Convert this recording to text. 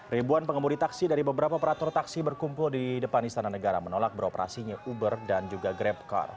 ribuan pengemudi taksi dari beberapa operator taksi berkumpul di depan istana negara menolak beroperasinya uber dan juga grabcar